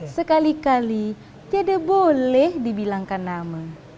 sekali kali tiada boleh dibilangkan nama